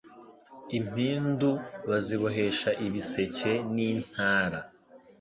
impindu bazibohesha ibiseke n' Intara